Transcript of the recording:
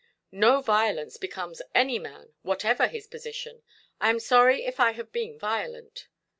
"No violence becomes any man, whatever his position. I am sorry if I have been violent".